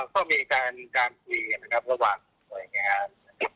ก็มีการคุยระหว่างส่วนไปกัน